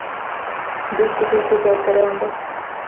Dhuku dhuku dhoth rombo